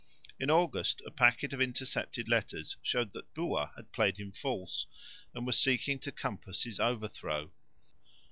In August a packet of intercepted letters showed that Buat had played him false and was seeking to compass his overthrow.